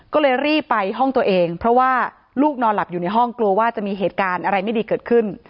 ก็เลยรีบไปห้องตัวเองเพราะว่าลูกนอนหลับอยู่ในห้องกลัวว่าจะมีเหตุการณ์อะไรไม่ดีเกิดขึ้น